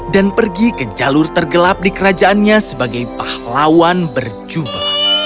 dan pergi ke jalur tergelap di kerajaannya sebagai pahlawan berjubah